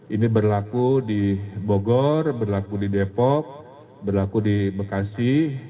ini berlaku di bogor berlaku di depok berlaku di bekasi